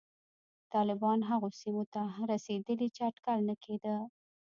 طالبان هغو سیمو ته هم رسېدلي چې اټکل نه کېده